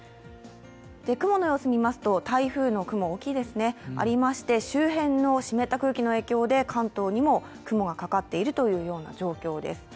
雲の様子を見ますと、台風の雲、周辺のしめった空気の影響で関東にも雲がかかっているというような状況です。